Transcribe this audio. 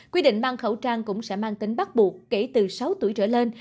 quy định mang khẩu trang cũng sẽ mang tính bắt buộc kể từ sáu tuổi trở lên